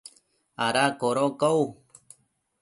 ¿ ada codocau?